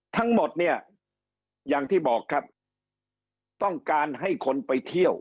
ทั้งหมดเนี่ยอย่างที่บอกครับต้องการให้คนไปเที่ยว